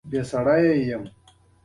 چلند مو منطقي وي.